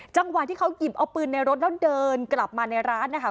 จังหวะที่เขาหยิบเอาปืนในรถแล้วเดินกลับมาในร้านนะคะ